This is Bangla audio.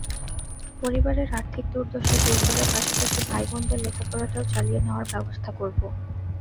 পরিবারের আর্থিক দুর্দশা দূর করার পাশাপাশি ভাইবোনদের লেখাপড়াটাও চালিয়ে নেওয়ার ব্যবস্থা করব।